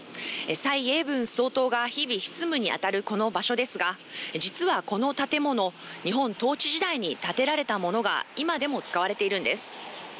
蔡英文総統が日々、執務に当たるこの場所ですが実はこの建物、日本統治時代に建てられたものが今でも使われているんです。